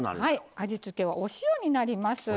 味付けはお塩になります。